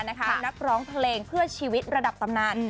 นักร้องเพลงเพื่อชีวิตระดับตำนาน